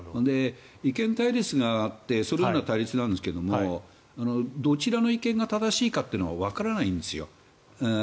意見対立があってそのような対立なんですがどちらの意見が正しいかというのはわからないんですよ。